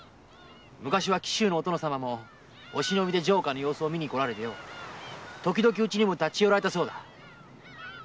昔は紀州のお殿様もお忍びで城下を見にこられて時々うちにも立ち寄られたそうだ。